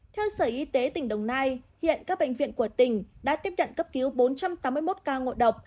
theo sở y tế tỉnh đồng nai hiện các bệnh viện của tỉnh đã tiếp nhận cấp cứu bốn trăm tám mươi một ca ngộ độc